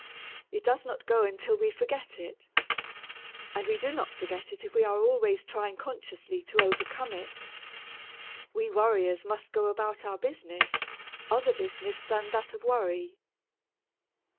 It does not go until we forget it, and we do not forget it if we are always trying consciously to overcome it. We worriers must go about our business other business than that of worry.